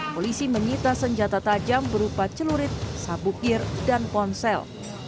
polisi menyita senjata tajam berupa celurit sabukir dan ponsel